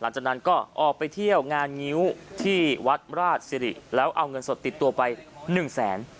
หลังจากนั้นก็ออกไปเที่ยวงานงิ้วที่วัดราชสิริแล้วเอาเงินสดติดตัวไปหนึ่งแสน